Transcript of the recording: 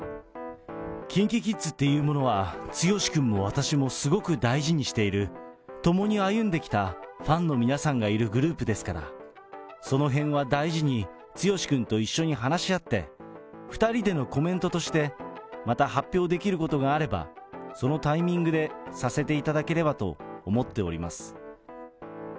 ＫｉｎＫｉＫｉｄｓっていうものは、剛君も私もすごく大事にしている、共に歩んできたファンの皆さんがいるグループですから、そのへんは大事に、剛君と一緒に話し合って、２人でのコメントとして、また発表できることがあれば、そのタイミングでさせていただければと思っております。